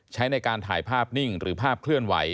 ใช้ในการถ่ายภาพนิ่งหรือภาพเคลื่อนไหว